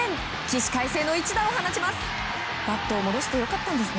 起死回生の一打を放ちます。